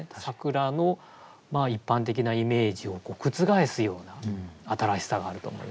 桜の一般的なイメージを覆すような新しさがあると思います。